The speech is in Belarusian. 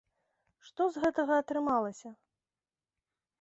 Што з гэтага атрымалася?